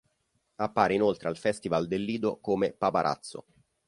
Appare inoltre al Festival del Lido come "paparazzo".